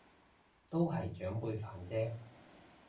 都係長輩煩啫